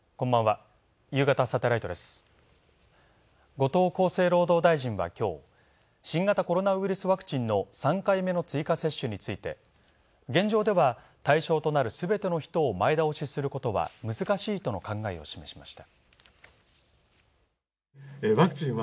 後藤厚生労働大臣はきょう、新型コロナウイルスワクチンの３回目の追加接種について現状では対象となるすべての人を前倒しすることは難しいとの考えを示しました。